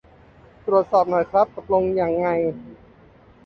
ตรวจสอบหน่อยครับ ตกลงยังไง